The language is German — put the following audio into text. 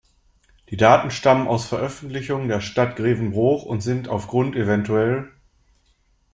Die Daten stammen aus Veröffentlichungen der Stadt Grevenbroich und sind aufgrund evtl.